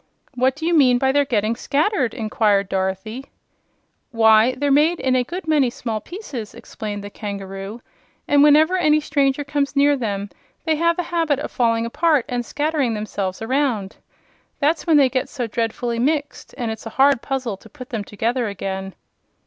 "What do you mean by their getting scattered?" inquired Dorothy. "Why, they're made in a good many small pieces," explained the kangaroo; "and whenever any stranger comes near them they have a habit of falling apart and scattering themselves around. That's when they get so dreadfully mixed, and it's a hard puzzle to put them together again."